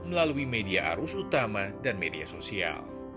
melalui media arus utama dan media sosial